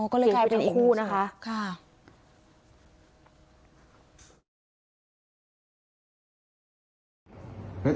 อ๋อก็เลยกลายเป็นอีกคู่นะคะค่ะ